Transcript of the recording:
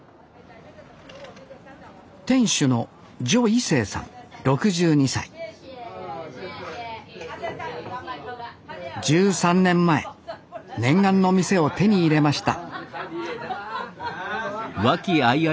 店主の１３年前念願の店を手に入れました